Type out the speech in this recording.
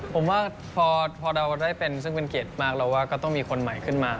ผมว่าพอเราได้เป็นซึ่งเป็นเกียรติมากเราว่าก็ต้องมีคนใหม่ขึ้นมา